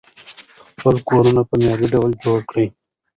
خپل کورونه په معیاري ډول جوړ کړئ.